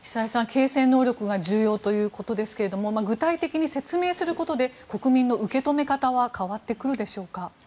継戦能力が重要ということですが具体的に説明することで国民の受け止め方は変わってくるでしょうか。